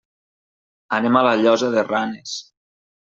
Anem a la Llosa de Ranes.